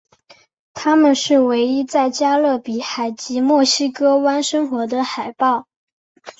它们是唯一在加勒比海及墨西哥湾生活的海豹。